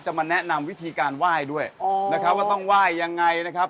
จะมาแนะนำวิธีการไหว้ด้วยว่าต้องไหว้อย่างไรนะครับ